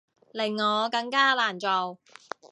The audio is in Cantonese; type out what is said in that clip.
令我更加難做